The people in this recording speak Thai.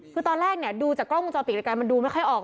คือตอนแรกเนี่ยดูจากกล้องวงจรปิดด้วยกันมันดูไม่ค่อยออก